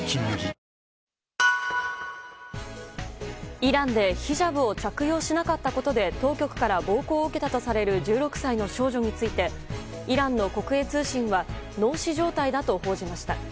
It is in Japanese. イランでヒジャブを着用しなかったことで当局から暴行を受けたとされる１６歳の少女についてイランの国営通信は脳死状態だと報じました。